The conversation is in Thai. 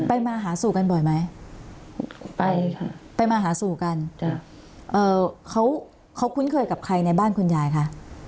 มาหาสู่กันบ่อยไหมไปค่ะไปมาหาสู่กันจ้ะเอ่อเขาเขาคุ้นเคยกับใครในบ้านคุณยายคะ